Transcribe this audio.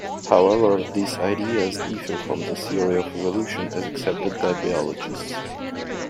However, these ideas differ from the theory of evolution as accepted by biologists.